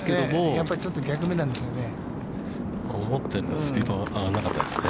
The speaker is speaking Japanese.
やっぱり、ちょっと逆目なんですよね。